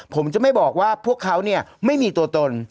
ผมจะไม่บอกว่าพวกเขาไม่มีตัวตน